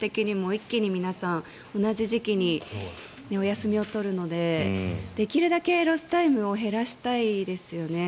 一気に皆さん同じ時期にお休みを取るのでできるだけロスタイムを減らしたいですよね。